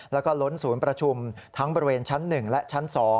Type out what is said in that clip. แล้วก็ล้นศูนย์ประชุมทั้งบริเวณชั้น๑และชั้น๒